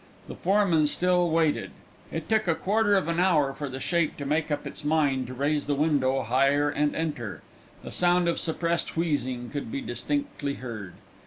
The foreman still waited. It took a quarter of an hour for the shape to make up its mind to raise the window higher and enter. The sound of suppressed wheezing could be distinctly heard.